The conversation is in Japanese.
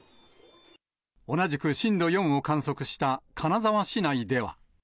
同じく震度４を観測した金沢市内では。